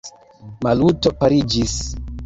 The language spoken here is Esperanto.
Maluto paliĝis.